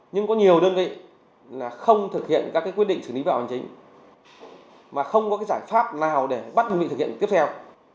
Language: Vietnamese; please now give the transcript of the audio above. nhưng có nhiều đơn vị không thực hiện các quyết định xử lý vi phạm hành chính mà không có giải pháp nào để bắt đồng vị thực hiện tiếp theo